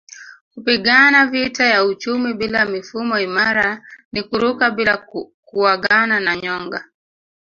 Kupigana vita ya uchumi bila mifumo imara ni kuruka bila kuagana na nyonga